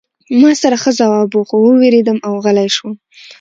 ما سره ښه ځواب و خو ووېرېدم او غلی شوم